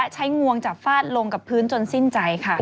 งวงจับฟาดลงกับพื้นจนสิ้นใจค่ะ